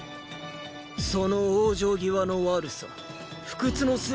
その往生際の悪さ不屈の精神は何だ。